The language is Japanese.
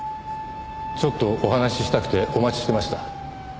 ちょっとお話ししたくてお待ちしてました。